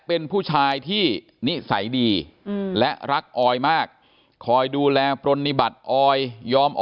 เป็นผู้ชายที่นิสัยดีและรักออยมากคอยดูแลปรณิบัติออยยอมออ